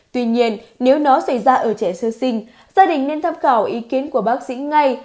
tuy nhiên nếu nó xảy ra ở trẻ sơ sinh gia đình nên tham khảo ý kiến của bác sĩ ngay